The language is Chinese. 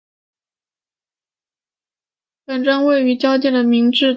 本站位于与交界的明治通地下。